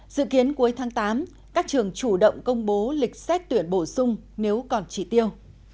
dự kiến cuối tháng tám các trường chủ động công bố lịch xét tuyển bổ sung nếu còn trị tiêu